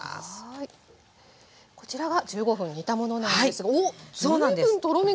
こちらが１５分煮たものなんですがおっ随分とろみが。